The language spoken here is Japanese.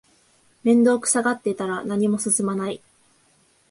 面倒くさがってたら何も進まない